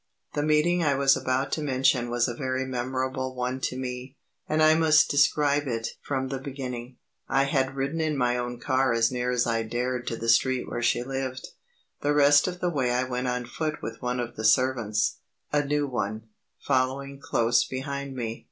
The meeting I was about to mention was a very memorable one to me, and I must describe it from the beginning. I had ridden in my own car as near as I dared to the street where she lived; the rest of the way I went on foot with one of the servants a new one following close behind me.